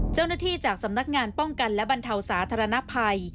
จากสำนักงานป้องกันและบรรเทาสาธารณภัย